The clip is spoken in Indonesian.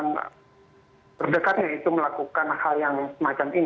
lingkaran berdekatnya itu melakukan hal yang semacam ini